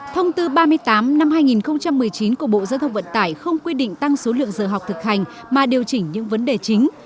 thông tư ba mươi tám năm hai nghìn một mươi chín của bộ giao thông vận tải không quy định tăng số lượng giờ học thực hành mà điều chỉnh những vấn đề chính